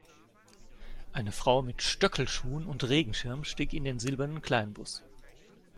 Eine Frau mit Stöckelschuhen und Regenschirm stieg in den silbernen Kleinbus.